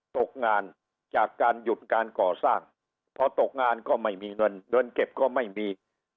ตกงานจากการหยุดการก่อสร้างพอตกงานก็ไม่มีเงินเงินเก็บก็ไม่มี